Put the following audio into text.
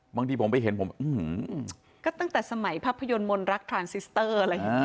บางทีผมไปเห็นผมอื้อหือตั้งแต่สมัยภาพยนตร์มนตร์ลักษณ์ทรานซิสเตอร์